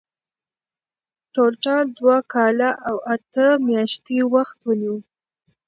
ټولټال دوه کاله او اته میاشتې وخت ونیو.